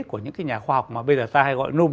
của những cái nhà khoa học mà bây giờ ta hay gọi